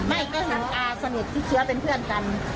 ไม่ก็เห็นตาสนิทที่เชื้อเป็นเพื่อนกัน